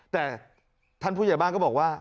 แต่ท่านผู้ใหญ่บ้านก็บอกว่า